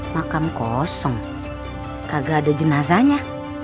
makam kosong kagak ada jenazahnya